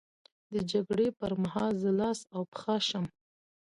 د جګړې پر مهال زه لاس او پښه شم.